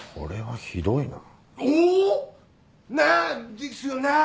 ですよね！